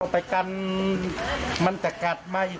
ไปกันมันจะกัดมาอีก